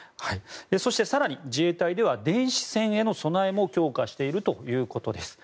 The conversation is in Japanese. そして、更に自衛隊では電子戦への備えも強化しているということです。